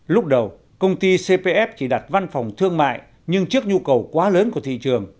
lúc đầu công ty cpf chỉ đặt văn phòng thương mại nhưng trước nhu cầu quá lớn của thị trường